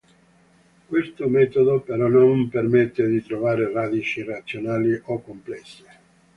Questo metodo però non permette di trovare radici irrazionali o complesse.